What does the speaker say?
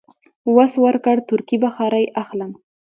وس ورکړ، تورکي بخارۍ اخلم.